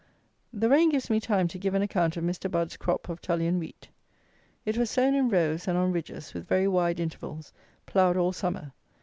The rain gives me time to give an account of Mr. Budd's crop of Tullian Wheat. It was sown in rows and on ridges, with very wide intervals, ploughed all summer.